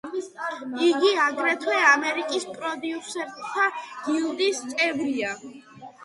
იგი, აგრეთვე ამერიკის პროდიუსერთა გილდიის წევრია.